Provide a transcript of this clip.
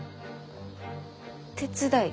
手伝い？